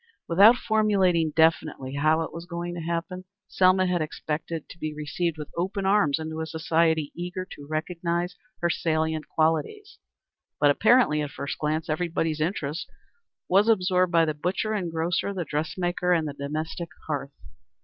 Without formulating definitely how it was to happen, Selma had expected to be received with open arms into a society eager to recognize her salient qualities. But apparently, at first glance, everybody's interest was absorbed by the butcher and grocer, the dressmaker and the domestic hearth.